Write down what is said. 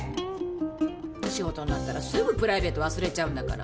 仕事になったらすぐプライベート忘れちゃうんだから。